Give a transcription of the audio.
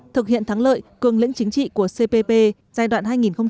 thực hiện thắng lợi cường lĩnh chính trị của cpp giai đoạn hai nghìn hai mươi ba hai nghìn hai mươi tám